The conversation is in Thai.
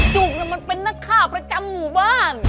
จุกมันเป็นนักฆ่าประจำหมู่บ้าน